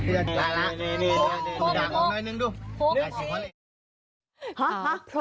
สุดท้ายเนี่ยมีกังเอาหน่อยนึงดู